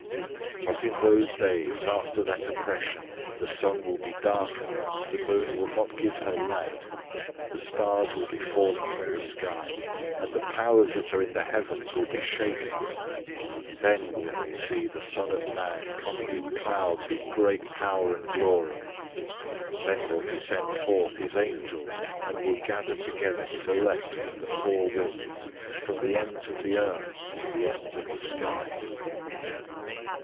013:024 But in those days, after that oppression, the sun will be darkened, the moon will not give its light, 013:025 the stars will be falling from the sky, and the powers that are in the heavens will be shaken.{Isaiah 13:10; 34:4} 013:026 Then they will see the Son of Man coming in clouds with great power and glory. 013:027 Then he will send out his angels, and will gather together his chosen ones from the four winds, from the ends of the earth to the ends of the sky.